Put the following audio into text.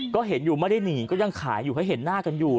ก็เห็นอยู่ไม่ได้หนีก็ยังขายอยู่เขาเห็นหน้ากันอยู่